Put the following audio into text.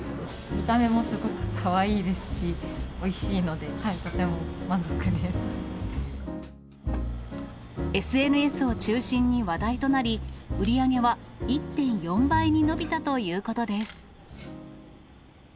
見た目もすごくかわいいですＳＮＳを中心に話題となり、売り上げは１．４倍に伸びたということです。